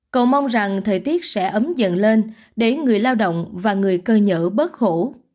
cậu mong rằng thời tiết sẽ ấm dần lên để người lao động và người cơ nhở bớt khổ